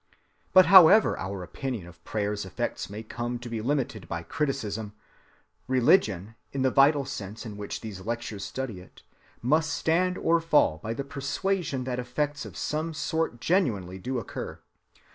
But however our opinion of prayer's effects may come to be limited by criticism, religion, in the vital sense in which these lectures study it, must stand or fall by the persuasion that effects of some sort genuinely do occur.